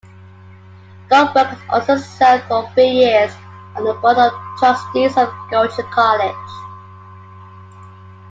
Goldberg also served for three years on the Board of Trustees of Goucher College.